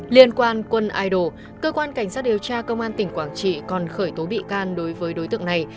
liên quan quân idol cơ quan cảnh sát điều tra công an tỉnh quảng trị còn khởi tố bị can đối với đối tượng này